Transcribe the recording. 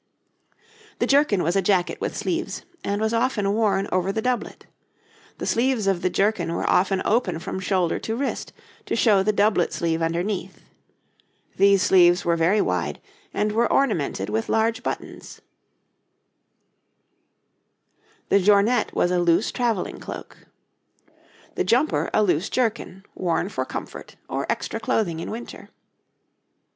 The jerkin was a jacket with sleeves, and was often worn over the doublet. The sleeves of the jerkin were often open from shoulder to wrist to show the doublet sleeve underneath. These sleeves were very wide, and were ornamented with large buttons. [Illustration: {A man of the time of Elizabeth; a travelling cloak; a jerkin}] The jornet was a loose travelling cloak. The jumper a loose jerkin, worn for comfort or extra clothing in winter.